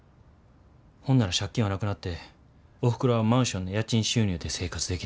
ほんなら借金はなくなっておふくろはマンションの家賃収入で生活できる。